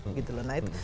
nah itu bang